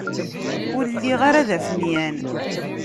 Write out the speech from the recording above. Ur lliɣ ara d afenyan.